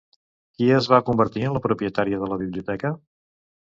Qui es va convertir en la propietària de la biblioteca?